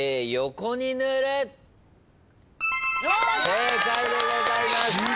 正解でございます。